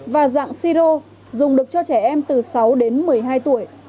và dạng siro dùng được cho trẻ em từ sáu đến một mươi hai tuổi